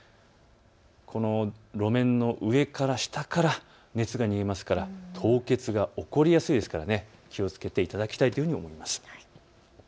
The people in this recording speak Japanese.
路面の上から下から熱が逃げますから凍結が起こりやすいですから気をつけていただきたいというふうに思います。